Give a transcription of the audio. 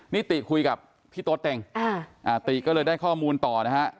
นิติคุยกับพี่โต๊เต็งติก็เลยได้ข้อมูลต่อนะฮะ